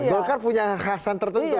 golkar punya khasan tertentu